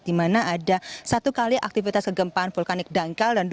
di mana ada satu kali aktivitas kegempaan vulkanik dangkal